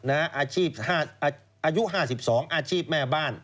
อาชีพอายุ๕๒อาชีพแม่บ้าน